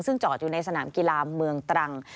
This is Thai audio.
ซึ่งจอดอยู่ในสนามกีฬาเมืองตรัง